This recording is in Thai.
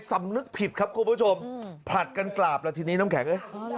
สำนึกผิดครับคุณผู้ชมผลัดกันกราบแล้วทีนี้น้ำแข็ง